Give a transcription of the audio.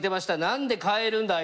「何で変えるんだ？